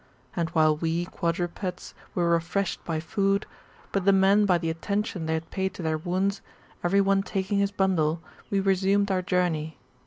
And while we [quadrupeds] were refreshed with food, but the men by the attention they had paid to their wounds, every one taking his bundle, we resumed our journey.